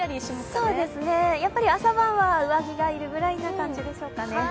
そうですね、やっぱり朝晩は上着がいるぐらいの感じでしょうかね。